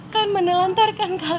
dan nolim meninggal